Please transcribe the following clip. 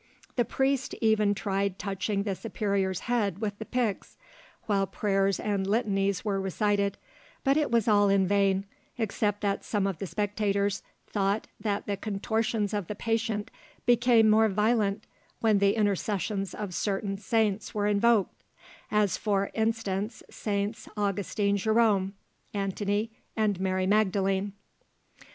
The priest even tried touching the superior's head with the pyx, while prayers and litanies were recited, but it was all in vain, except that some of the spectators thought that the contortions of the patient became more violent when the intercessions of certain saints were invoked, as for instance Saints Augustine Jerome, Antony, and Mary Magdalene.